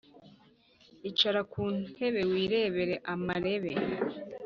Icara ku ntebe wirebere amarebe